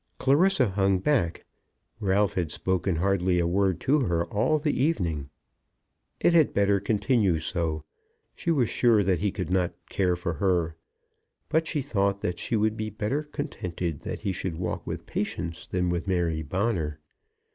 Clarissa hung back. Ralph had spoken hardly a word to her all the evening. It had better continue so. She was sure that he could not care for her. But she thought that she would be better contented that he should walk with Patience than with Mary Bonner.